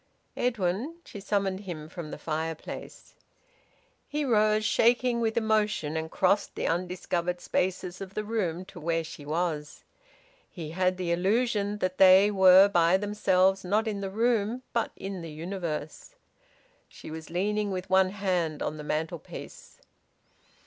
"Edwin," she summoned him, from the fireplace. He rose, shaking with emotion, and crossed the undiscovered spaces of the room to where she was. He had the illusion that they were by themselves not in the room but in the universe. She was leaning with one hand on the mantelpiece.